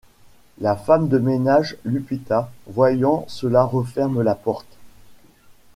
La femme de ménage, Lupita, voyant cela referme la porte.